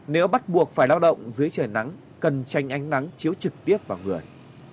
nếu bắt buộc phải lao động dưới trời nắng cần tranh ánh nắng chiếu trực tiếp vào người